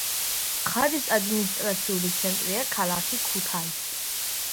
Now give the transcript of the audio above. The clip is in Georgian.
მხარის ადმინისტრაციული ცენტრია ქალაქი ქუთაისი.